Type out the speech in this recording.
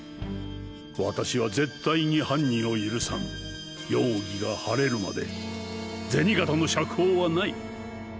私は絶対に犯人を許さん容疑が晴れるまで銭形の釈放はない。